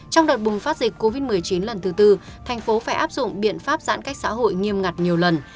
trong đợt bùng phát dịch covid một mươi chín lần thứ tư thành phố phải áp dụng biện pháp giãn cách xã hội nghiêm ngặt nhiều lần